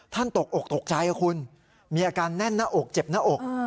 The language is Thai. ตกอกตกใจคุณมีอาการแน่นหน้าอกเจ็บหน้าอก